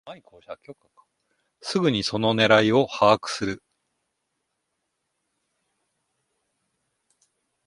すぐにその狙いを把握する